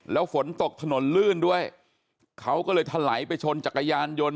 แล้วฝนตกถนนลื่นด้วยเขาก็เลยถลายไปชนจักรยานยนต์